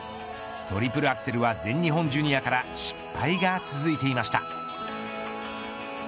トリプルアクセルは全日本ジュニアから失敗が続いていました。